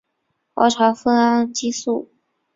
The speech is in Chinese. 儿茶酚胺激素。